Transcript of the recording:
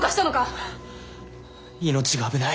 命が危ない！